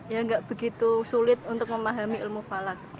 ya nggak begitu sulit untuk memahami ilmu falak